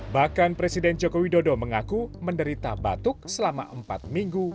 bahkan presiden joko widodo mengaku menderita batuk selama empat minggu